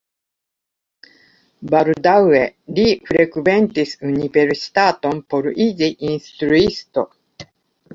Baldaŭe li frekventis universitaton por iĝi instruisto.